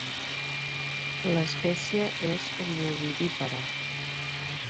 L'espècie és ovovivípara.